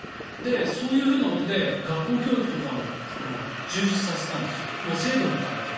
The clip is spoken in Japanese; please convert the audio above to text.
そういうふうなことで学校教育とかも充実させたんです制度も変えて。